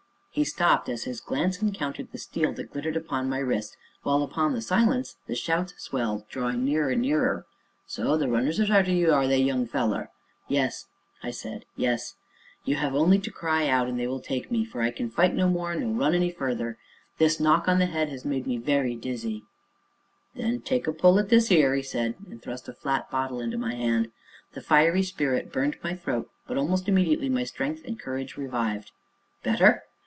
he stopped, as his glance encountered the steel that glittered upon my wrist; while upon the silence the shouts swelled, drawing near and nearer. "So the Runners is arter you, are they, young feller?" "Yes," said I; "yes. You have only to cry out, and they will take me, for I can fight no more, nor run any farther; this knock on the head has made me very dizzy." "Then take a pull at this 'ere," said he, and thrust a flat bottle into my hand. The fiery spirit burned my throat, but almost immediately my strength and courage revived. "Better?"